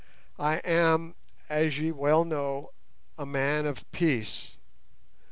I am, as ye well know, a man of peace.